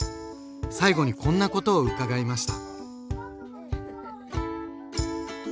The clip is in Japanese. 最後にこんなことを伺いました。